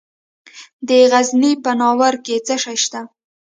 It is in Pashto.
د غزني په ناوور کې څه شی شته؟